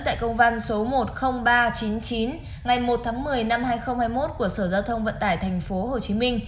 tại công văn số một mươi nghìn ba trăm chín mươi chín ngày một tháng một mươi năm hai nghìn hai mươi một của sở giao thông vận tải tp hcm